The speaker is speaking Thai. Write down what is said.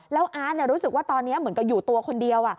แล้วอาร์ตรู้สึกว่าตอนนี้เหมือนกับอยู่ตัวคนเดียว